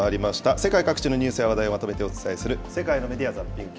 世界各地のニュースや話題をまとめてお伝えする世界のメディア・ザッピングです。